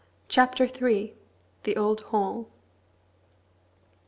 CHAPTER III. THE OLD HALL.